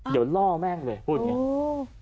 เดี๋ยวล่อแม่งเลยพูดอย่างนี้